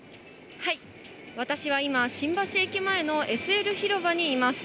私は今、新橋駅前のＳＬ広場にいます。